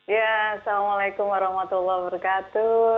ya assalamu'alaikum warahmatullah wabarakatuh